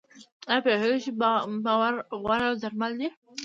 ایا پوهیږئ چې باور غوره درمل دی؟